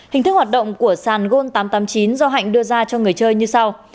hình thức hoạt động của sàn gold tám trăm tám mươi chín do hạnh đưa ra cho người chơi như sau